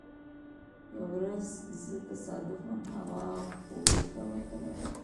یوه ورځ زه تصادفا هوا خورۍ ته وتلی وم.